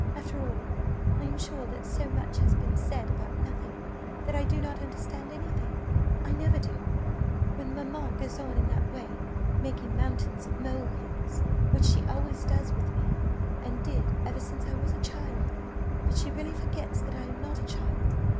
After all, I am sure that so much has been said about nothing, that I do not understand anything: I never do, when mamma goes on in that way, making mountains of molehills, which she always does with me, and did ever since I was a child; but she really forgets that I am not a child.